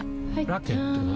ラケットは？